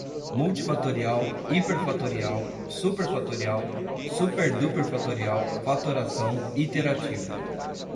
multifatorial, hiperfatorial, superfatorial, superduperfatorial, fatoração, iterativo